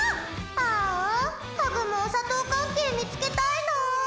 ハグもお砂糖関係見つけたいな！